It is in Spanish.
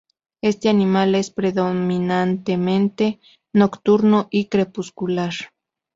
Este animal es predominantemente nocturno y crepuscular.